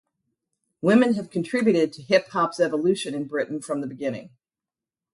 Women have contributed to hip hop's evolution in Britain from the beginning.